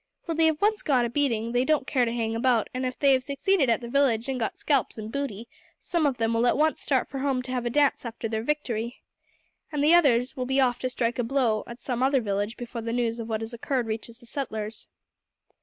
When they have once got a beating they don't care to hang about; and if they have succeeded at the village, and got scalps and booty, some of them will at once start for home to have a dance after their victory, and the others will be off to strike a blow at some other village before the news of what has occurred reaches the settlers."